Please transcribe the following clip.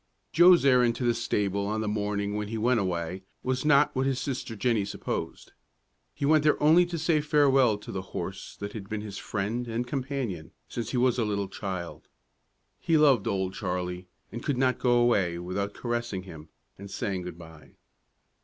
Joe's errand to the stable on the morning when he went away was not what his sister Jennie supposed. He went there only to say farewell to the horse that had been his friend and companion since he was a little child. He loved "Old Charlie," and could not go away without caressing him and saying good by.